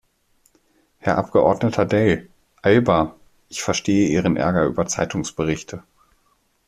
Herr Abgeordneter Dell "Alba! Ich verstehe Ihren Ärger über Zeitungsberichte.